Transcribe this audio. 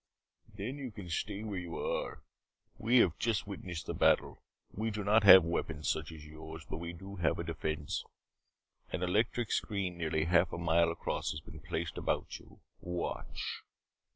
"Then you can stay where you are. We have just witnessed the battle. We do not have weapons such as yours. But we do have a defense. An electric screen nearly half a mile across has been placed about you. Watch."